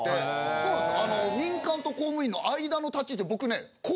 そうなんです。